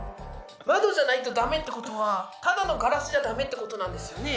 窓じゃないとダメってことはただのガラスじゃダメってことなんですよね。